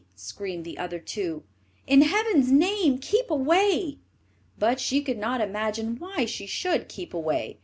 screamed the other two; "in heaven's name keep away!" But she could not imagine why she should keep away.